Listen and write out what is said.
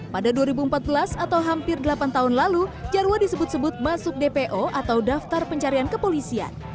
pada dua ribu empat belas atau hampir delapan tahun lalu jarwo disebut sebut masuk dpo atau daftar pencarian kepolisian